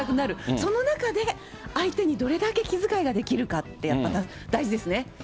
その中で、相手にどれだけ気遣いができるかって、やっぱ大事ですね。